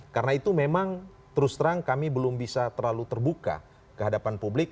karena itu memang terus terang kami belum bisa terlalu terbuka kehadapan publik